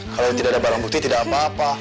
kalau tidak ada barang bukti tidak apa apa